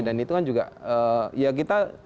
dan itu kan juga ya kita